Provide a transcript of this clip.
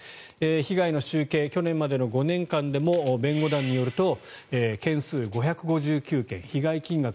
被害の集計去年までの５年間でも弁護団によると件数、５５９件被害金額